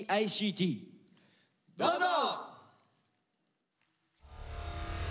どうぞ。